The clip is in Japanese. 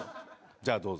じゃあどうぞ。